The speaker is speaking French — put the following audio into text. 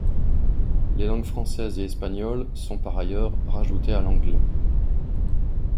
Les langues française et espagnole sont par ailleurs rajoutées à l'anglais.